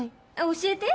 教えて。